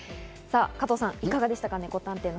加藤さん、いかがでしたか？